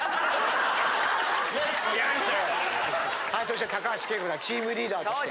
はいそして高橋惠子さんチームリーダーとして。